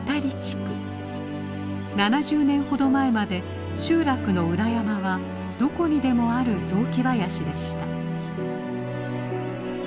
７０年ほど前まで集落の裏山はどこにでもある雑木林でした。